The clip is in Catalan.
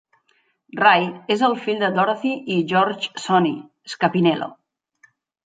Ray és el fill de Dorothy i George "Sonny" Scapinello.